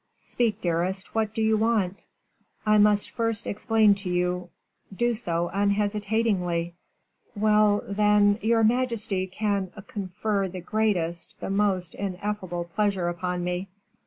"Speak, dearest, what do you want?" "I must first explain to you " "Do so unhesitatingly." "Well, then, your majesty can confer the greatest, the most ineffable pleasure upon me."